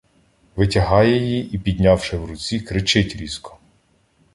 Витягає її і, піднявши в руці, кричить різко: